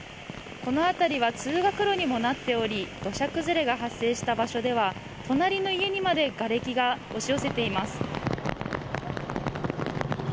この辺りは通学路にもなっており土砂崩れが発生した場所では隣の家にまでがれきが押し寄せています。